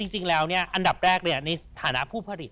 จริงแล้วอันดับแรกในฐานะผู้ผลิต